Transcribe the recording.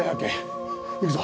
行くぞ！